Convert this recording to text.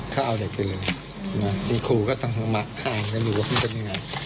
เขาเอาเด็กไปเลยดีครูก็ต้องมาอ้างไม่รู้ว่ามันเป็นยังไง